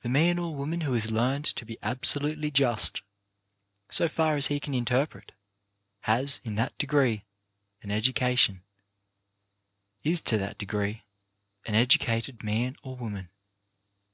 The man or woman ii 4 CHARACTER BUILDING who has learned to be absolutely just, so far as he can interpret, has, in that degree, an education, is to that degree an educated man or woman.